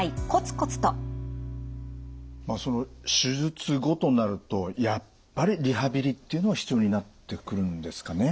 手術後となるとやっぱりリハビリっていうのは必要になってくるんですかね？